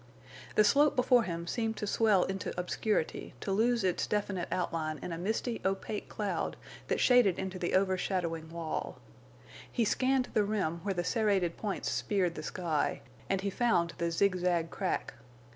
The slope before him seemed to swell into obscurity to lose its definite outline in a misty, opaque cloud that shaded into the over shadowing wall. He scanned the rim where the serrated points speared the sky, and he found the zigzag crack.